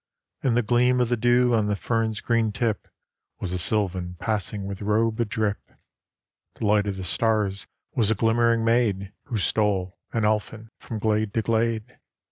And the Gleam of the Dew on the fern's green tip Was a sylvan passing with robe a drip. The Light of the Stars was a glimmering maid Who stole, an elfin, from glade to glade.